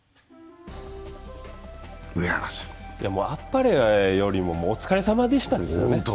あっぱれよりもお疲れさまでした、ですね。